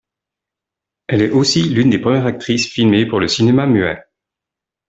Elle est aussi l'une des premières actrices filmées pour le cinéma muet.